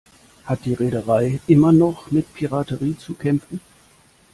Hat die Reederei immer noch mit Piraterie zu kämpfen?